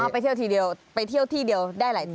ไปเที่ยวทีเดียวไปเที่ยวที่เดียวได้หลายตัว